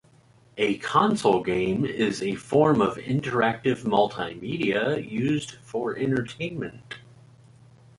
A console game is a form of interactive multimedia used for entertainment.